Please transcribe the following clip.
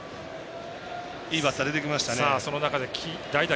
いいバッター、出てきましたね。